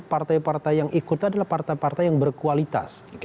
partai partai yang ikut adalah partai partai yang berkualitas